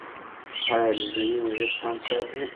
آیا د ذمي وژل سم کار دی؟